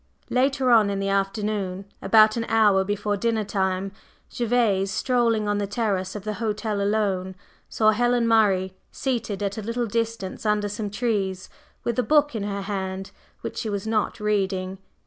Later on in the afternoon, about an hour before dinner time, Gervase, strolling on the terrace of the hotel alone, saw Helen Murray seated at a little distance under some trees, with a book in her hand which she was not reading.